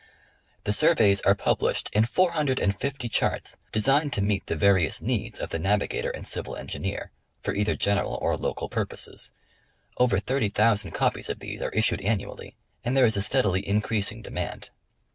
The Surveys are published in four hundred and fifty charts designed to meet the various needs of the ISTavigator and Civil Engineer, for either general or local purposes ; over thirty thou sand copies of these are issued annually and there is a steadily increasing demand.